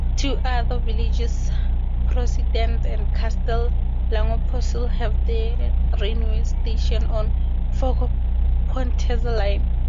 Two other villages, Possidente and Castel Lagopesole, have their railway station on Foggia-Potenza line.